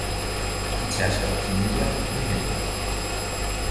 De tærsker Quinoa med hænderne.